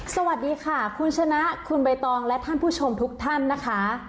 สวัสดีค่ะคุณชนะคุณใบตองและท่านผู้ชมทุกท่านนะคะ